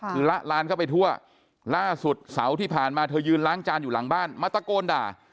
คือละลานเข้าไปทั่วล่าสุดเสาร์ที่ผ่านมาเธอยืนล้างจานอยู่หลังบ้านมาตะโกนด่า